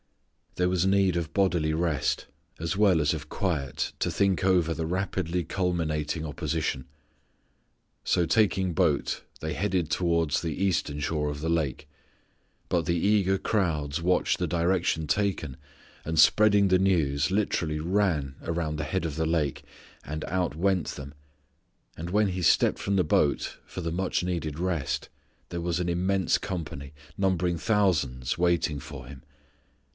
There was need of bodily rest, as well as of quiet to think over the rapidly culminating opposition. So taking boat they headed towards the eastern shore of the lake. But the eager crowds watched the direction taken and spreading the news, literally "ran" around the head of the lake and "out went them," and when He stepped from the boat for the much needed rest there was an immense company, numbering thousands, waiting for Him.